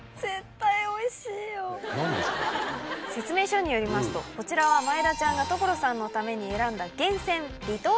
説明書によりますとこちらは前田ちゃんが所さんのために選んだ。